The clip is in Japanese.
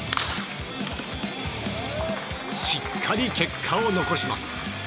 しっかり結果を残します。